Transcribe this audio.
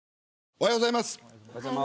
おはようございます。